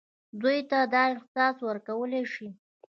دوی ته دا احساس ورکولای شي.